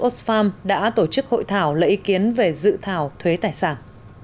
osfarm đã tổ chức hội thảo lấy ý kiến về dự thảo thuế tài sản